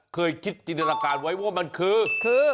เคยคิดจินตนาการไว้ว่ามันคือคือ